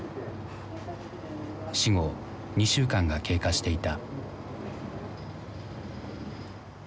死後２週間が経過していた。